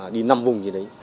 đi năm vùng như đấy